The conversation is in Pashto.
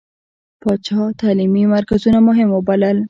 پاچا تعليمي مرکزونه مهم ووبلل.